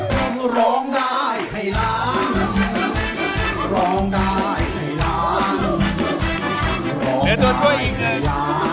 เฮ้ตัวช่วยอีกนึง